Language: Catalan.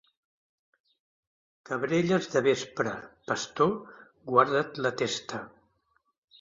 Cabrelles de vespre, pastor, guarda't la testa.